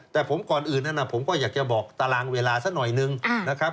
แต่ผมก่อนอื่นนั้นผมก็อยากจะบอกตารางเวลาสักหน่อยนึงนะครับ